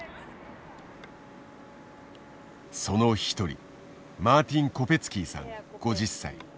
その一人マーティン・コペツキーさん５０歳。